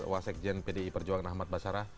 wasekjen pdi perjuangan ahmad basara